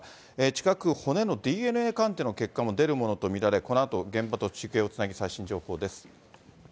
近く骨のＤＮＡ鑑定の結果も出ると見られ、このあと、現場と中継をつなぎ、最新情報です。